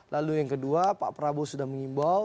lalu yang kedua pak prabowo sudah mengimbau